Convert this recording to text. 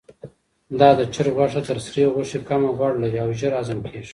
دا د چرګ غوښه تر سرې غوښې کمه غوړ لري او ژر هضم کیږي.